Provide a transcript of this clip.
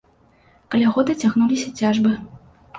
Каля года цягнуліся цяжбы.